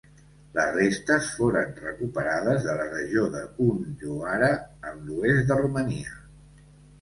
Les restes foren recuperades de la regió de Hunedoara, en l'oest de Romania.